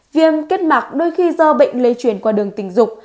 viêm kết mạc đôi khi do bệnh lây truyền qua đường tình dục